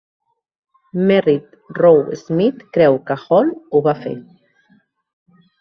Merrit Roe Smith creu que Hall ho va fer.